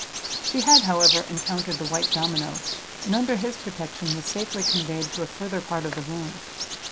She had, however, encountered the white domino, and, under his protection, was safely conveyed to a further part of the room.